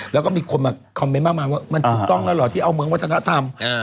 แล้วก็มีคนมาคอมเมนต์มากมายว่ามันถูกต้องแล้วเหรอที่เอาเมืองวัฒนธรรม